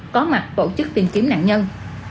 có mặt tổ chức tìm kiếm nạn nhân